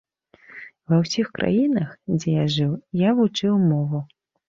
Ва ўсіх краінах, дзе я жыў, я вучыў мову.